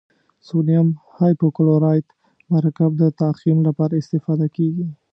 سوډیم هایپوکلورایت مرکب د تعقیم لپاره استفاده کیږي.